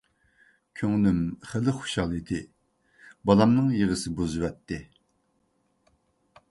كۆڭلۈم خېلى خۇشال ئىدى، بالامنىڭ يىغىسى بۇزۇۋەتتى.